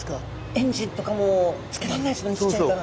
エンジンとかもつけらんないっすもんねちっちゃいから。